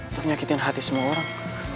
ternyakitin hati semua orang